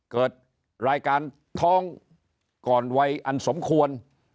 เกิดรายการท้องก่อนวัยอันสมควร